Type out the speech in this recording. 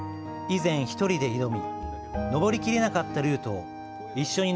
以前、１人で挑み登りきれなかったルートを一緒に